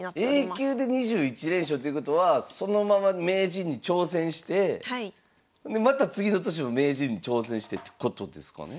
Ａ級で２１連勝ということはそのまま名人に挑戦してでまた次の年も名人に挑戦してるってことですかね？